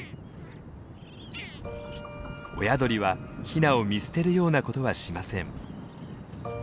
親鳥はヒナを見捨てるようなことはしません。